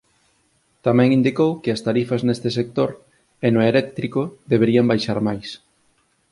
Tamén indicou que as tarifas neste sector e no eléctrico deberían baixar máis.